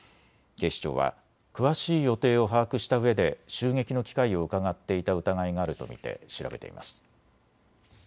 警視庁は詳しい予定を把握したうえで襲撃の機会をうかがっていた疑いがあると見て調べています。